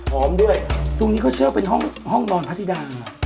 หอมด้วยตรงนี้ก็เชื่อเป็นห้องนอนพฤติดา